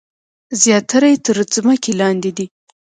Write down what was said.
زیاتره یې تر ځمکې لاندې دي.